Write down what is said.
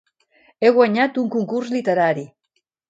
He guanyat un concurs literari.